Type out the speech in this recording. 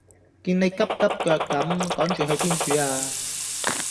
見你急急腳咁趕住去邊處呀